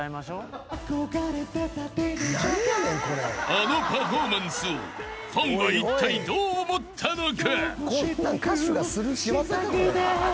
［あのパフォーマンスをファンはいったいどう思ったのか？］